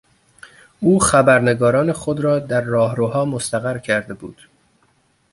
او خبرنگاران خود را در راهروها مستقر کرده بود.